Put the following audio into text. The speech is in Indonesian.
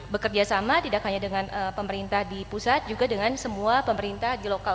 bekerja sama tidak hanya dengan pemerintah di pusat juga dengan semua pemerintah di lokal